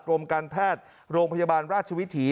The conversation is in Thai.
กรมการแพทย์โรงพยาบาลราชวิถี